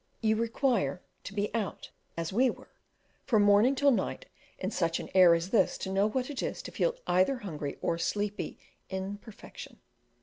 You require to be out as we were from morning till night in such an air as this to know what it is to feel either hungry or sleepy in perfection!